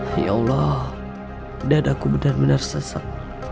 ya allah dadaku benar benar sesak